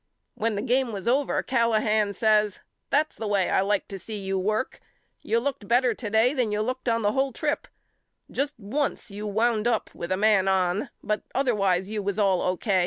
When the game was over Callahan says That's the way I like to see you work. You looked bet ter to day than you looked on the whole trip. Just once you wound up with a man on but other wise you was all O.